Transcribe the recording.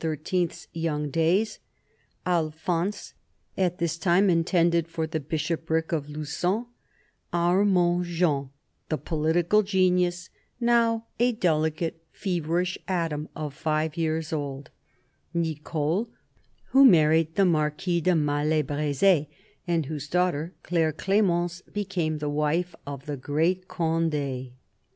's young days; Alphonse, at this time intended for the Bishopric of LuQon ; Armand Jean, the political genius, now a delicate, feverish atom of five years old ; Nicole, who married the Marquis de Maille Breze, and whose daughter, Claire Clemence, became the wife of the great Conde.